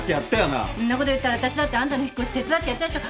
んなこと言ったら私だってあんたの引っ越し手伝ってやったでしょ。